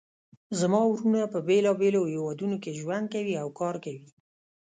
زما وروڼه په بیلابیلو هیوادونو کې ژوند کوي او کار کوي